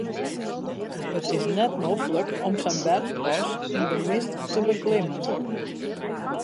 It is net noflik om sa'n berchpas yn de mist te beklimmen.